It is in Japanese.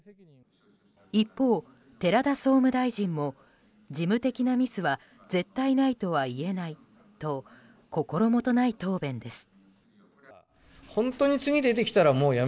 一方、寺田総務大臣も事務的なミスは絶対ないとは言えないと心もとない答弁です。